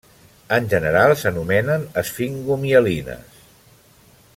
En general s'anomenen esfingomielines.